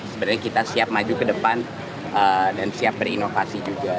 sebenarnya kita siap maju ke depan dan siap berinovasi juga